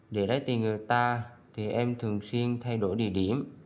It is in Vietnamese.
để lấy tiền người ta thì em thường xuyên thay đổi địa điểm